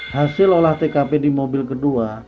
hasil olah tkp di mobil kedua